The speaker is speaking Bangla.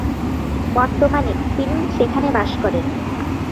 বর্তমানে, তিনি সেখানে বাস করেন।